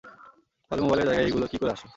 তাহলে মোবাইলের জায়গায় এইগুলা কী করে আসলো?